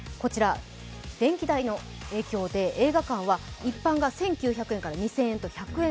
電気代の影響で映画館は一般が１９００円から２０００円と１００円